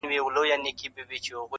• دانه دانه سومه له تاره وځم,